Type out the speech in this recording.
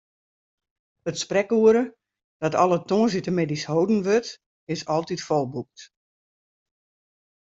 It sprekoere, dat alle tongersdeitemiddeis holden wurdt, is altyd folboekt.